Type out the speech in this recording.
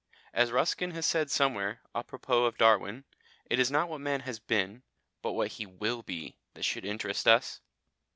As Ruskin has said somewhere, à propos of Darwin, it is not what man has been, but what he will be, that should interest us.